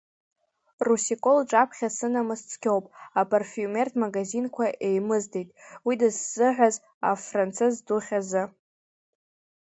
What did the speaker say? Русико лҿаԥхьа сынамыс цқьоуп, апарфиумериатә магазинқәа еимыздеит уи дызсыҳәаз афранцыз духь азы.